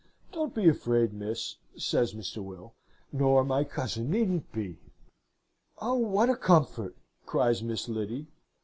'Don't be afraid, miss,' says Mr. Will, 'nor my cousin needn't be.' "'Oh, what a comfort!' cries Miss Lyddy.